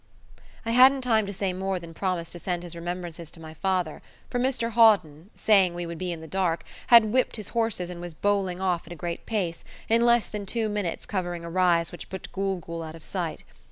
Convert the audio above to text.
I hadn't time to say more than promise to send his remembrances to my father, for Mr Hawden, saying we would be in the dark, had whipped his horses and was bowling off at a great pace, in less than two minutes covering a rise which put Gool Gool out of sight.